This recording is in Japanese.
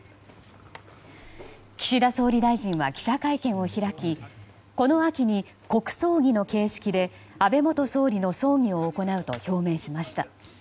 岸田総理大臣は記者会見を開きこの秋に国葬儀の形式で安倍元総理の葬儀を行うと表明しました。